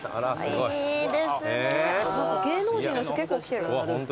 何か芸能人の人結構来てる。